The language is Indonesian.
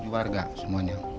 tujuh warga semuanya